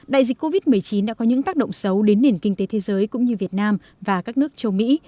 đại dịch covid một mươi chín đã có những tác động xấu đến nền kinh tế thế giới cũng như việt nam và các nước châu mỹ